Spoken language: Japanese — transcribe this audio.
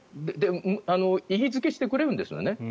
意義付けしてくれるんですね。